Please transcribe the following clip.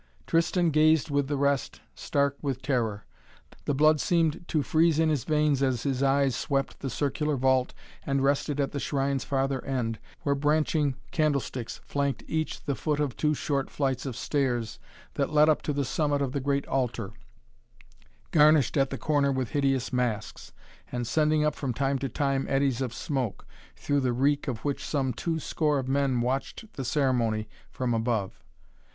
Tristan gazed with the rest, stark with terror. The blood seemed to freeze in his veins as his eyes swept the circular vault and rested at the shrine's farther end, where branching candlesticks flanked each the foot of two short flights of stairs that led up to the summit of the great altar, garnished at the corner with hideous masks, and sending up from time to time eddies of smoke, through the reek of which some two score of men watched the ceremony from above.